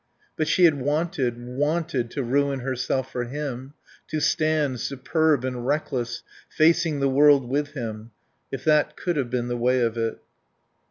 But she had wanted, wanted to ruin herself for him, to stand, superb and reckless, facing the world with him. If that could have been the way of it.